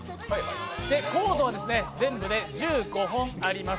コードは全部で１５本あります。